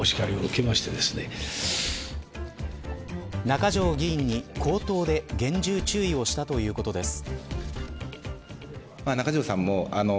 中条議員に、口頭で厳重注意をしたということです。